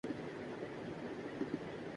اور کوئی طریقہ نہیں ہے